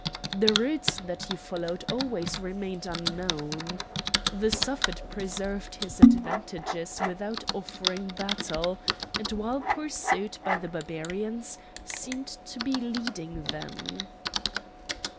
The routes that he followed always remained unknown. The Suffet preserved his advantages without offering battle, and while pursued by the Barbarians seemed to be leading them.